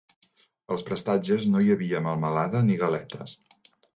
Als prestatges no hi havia melmelada ni galetes.